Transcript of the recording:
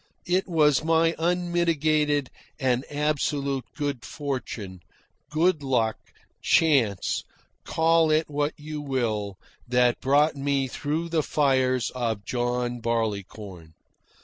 It was my unmitigated and absolute good fortune, good luck, chance, call it what you will, that brought me through the fires of John Barleycorn.